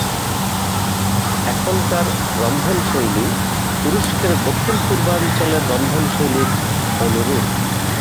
এখানকার রন্ধনশৈলী তুরস্কের দক্ষিণ-পূর্বাঞ্চলের রন্ধনশৈলীর অনুরূপ।